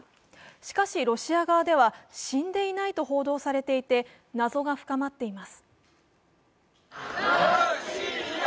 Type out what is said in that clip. しかし、ロシア側では死んでいないと報道されていて謎が深まっています。